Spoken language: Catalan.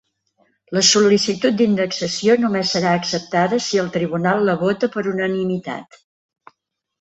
La sol·licitud d'indexació només serà acceptada si el tribunal la vota per unanimitat.